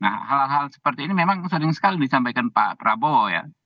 nah hal hal seperti ini memang sering sekali disampaikan pak prabowo ya